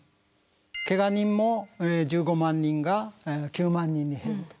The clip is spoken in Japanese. けが人も１５万人が９万人に減ると。